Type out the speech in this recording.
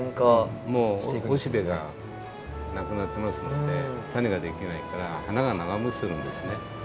もうおしべがなくなってますんで種ができないから花が長もちするんですね。